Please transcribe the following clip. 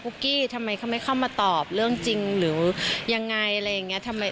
ปุ๊กกี้ทำไมเขาไม่เข้ามาตอบเรื่องจริงหรือยังไง